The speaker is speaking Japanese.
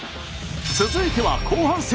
続いては後半戦。